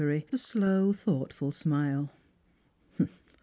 He smiles a slow thoughtful smile.